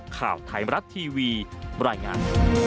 ข่าวไทยมรัฐทีวีบรรยายงาน